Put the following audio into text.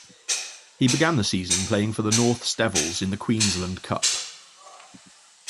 He began the season playing for the Norths Devils in the Queensland Cup.